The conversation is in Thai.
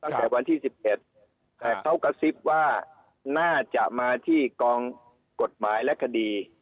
ตั้งแต่วันที่๑๑แต่เขากระซิบว่าน่าจะมาที่กองกฎหมายและคดี